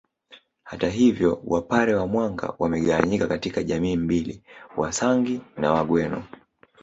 Hata hivyo Wapare wa Mwanga wamegawanyika katika jamii mbili Wasangi na Wagweno